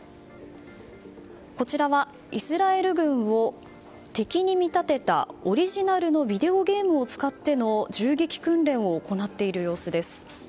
こちらは、イスラエル軍を敵に見立てたオリジナルのビデオゲームを使っての銃撃訓練を行っている様子です。